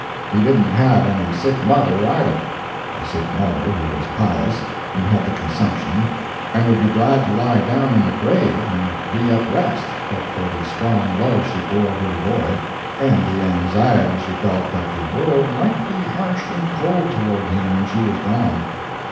He didn't have any sick mother, either a sick mother who was pious and had the consumption, and would be glad to lie down in the grave and be at rest but for the strong love she bore her boy, and the anxiety she felt that the world might be harsh and cold toward him when she was gone.